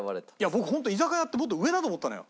僕本当居酒屋ってもっと上だと思ったのよ。